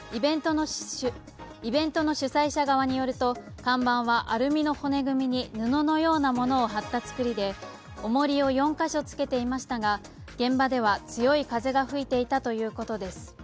イベントの主催者側によると看板はアルミの骨組みに布のようなものを張った作りでおもりを４か所つけていましたが現場では強い風が吹いていたということです。